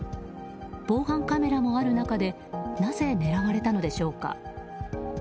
防犯カメラもある中でなぜ狙われたのでしょうか。